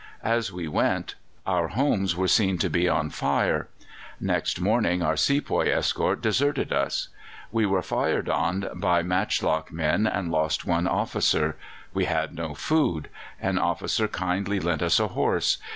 "As we went our homes were seen to be on fire. Next morning our sepoy escort deserted us. We were fired on by matchlock men and lost one officer. We had no food. An officer kindly lent us a horse.